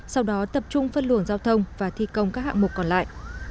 sau đó tập trung phân luồng giao thông và thi công các hạng mục còn lại